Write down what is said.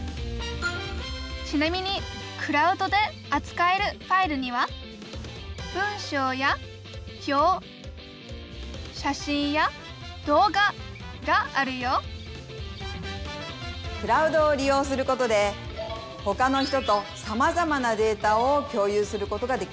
ちなみにクラウドであつかえるファイルには文章や表写真や動画があるよクラウドを利用することでほかの人とさまざまなデータを共有することができます。